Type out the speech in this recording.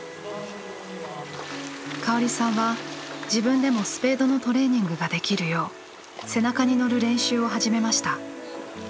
香織さんは自分でもスペードのトレーニングができるよう背中に乗る練習を始めました。